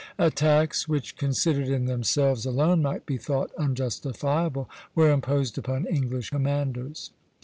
" Attacks which considered in themselves alone might be thought unjustifiable, were imposed upon English commanders.